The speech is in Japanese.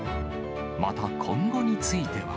また、今後については。